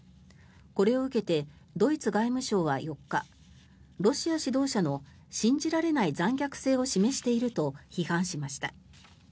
これを受けてドイツ外務省は４日ロシア指導者の信じられない残虐性を示していると批判しました。